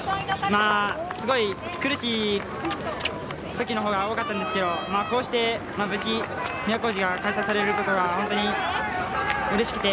すごい苦しい時の方が多かったんですけどこうして、無事に都大路が開催されることが本当にうれしくて。